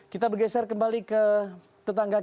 kita bergeser kembali ke tetangga kita ke asia tenggara